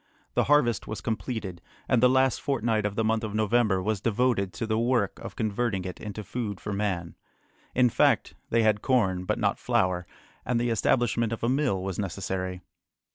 The harvest was completed, and the last fortnight of the month of November was devoted to the work of converting it into food for man. In fact, they had corn, but not flour, and the establishment of a mill was necessary.